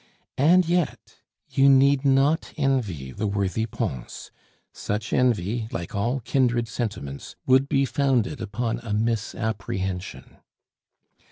And yet, you need not envy the worthy Pons; such envy, like all kindred sentiments, would be founded upon a misapprehension.